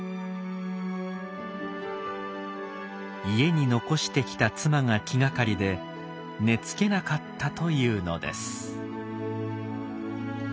家に残してきた妻が気がかりで寝つけなかったというのです。